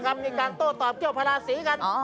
มีการโต้ตอบเกี่ยวภาราศีกัน